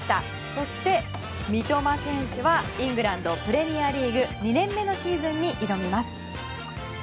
そして三笘選手はイングランド・プレミアリーグ２年目のシーズンに挑みます。